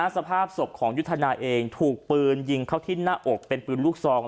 สภาพศพของยุทธนาเองถูกปืนยิงเข้าที่หน้าอกเป็นปืนลูกซอง